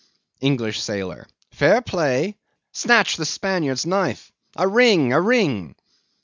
ENGLISH SAILOR. Fair play! Snatch the Spaniard's knife! A ring, a ring!